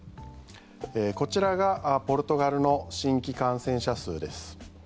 こちらがポルトガルの新規感染者数です。